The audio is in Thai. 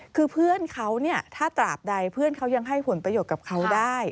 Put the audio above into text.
คือเพื่อนเขาเนี่ยถ้าตราบใดเพื่อนเขายังให้ผลประโยชน์กับเขาได้